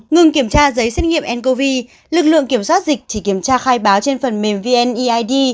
ngừng kiểm tra giấy xét nghiệm ncov lực lượng kiểm soát dịch chỉ kiểm tra khai báo trên phần mềm vneid